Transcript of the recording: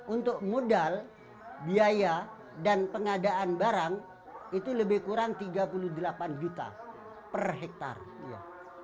untuk modal biaya dan pengadaan barang itu lebih kurang tiga puluh delapan juta per hektar dia